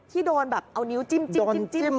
ที่โดนแบบเอานิ้วจิ้มหัว